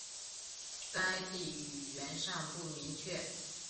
该地语源尚不明确。